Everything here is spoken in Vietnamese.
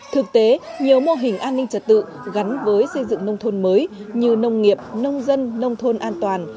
thực tế nhiều mô hình an ninh trật tự gắn với xây dựng nông thôn mới như nông nghiệp nông dân nông thôn an toàn